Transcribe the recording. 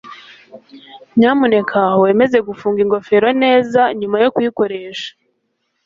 nyamuneka wemeze gufunga ingofero neza nyuma yo kuyikoresha